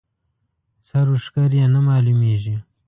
سر و ښکر یې نه معلومېږي.